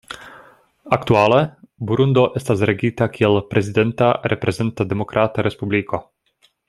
Aktuale, Burundo estas regita kiel prezidenta reprezenta demokrata respubliko.